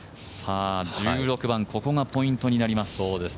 １６番、ここがポイントになります